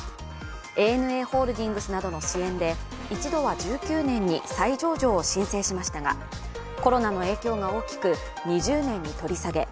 ＡＮＡホールディングスなどの支援で一度は１９年に再上場を申請しましたが、コロナの影響が大きく、２０年に取り下げ。